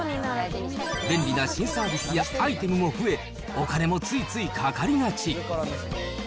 便利な新サービスやアイテムも増え、お金もついついかかりがち。